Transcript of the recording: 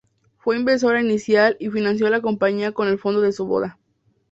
Fue inversora inicial y financió la compañía con el fondo de su boda.